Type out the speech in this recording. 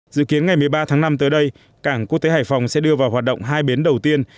dự kiến ngày một mươi ba tháng năm tới đây cảng quốc tế hải phòng sẽ đưa vào hoạt động hai bến đầu tiên